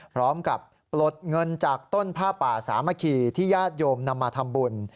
พร้อมกับปลดเงินจากต้นผ้าป่าสามขี่ที่ยาดโยมนำมาทำบุญ